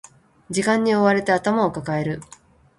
時間に追われて頭を抱える